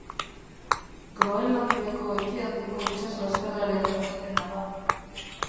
Groenlandiako ekialdeko itsaslasterraren jarraipena da.